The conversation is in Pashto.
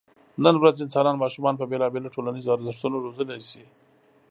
نن ورځ انسانان ماشومان په بېلابېلو ټولنیزو ارزښتونو روزلی شي.